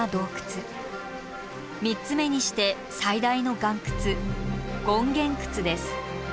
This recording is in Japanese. ３つ目にして最大の岩窟権現窟です。